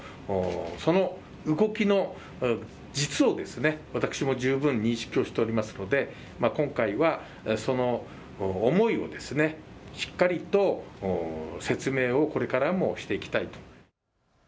その動きの実を私も十分、認識をしておりますので今回はその思いをしっかりと説明をこれからもしていきたい。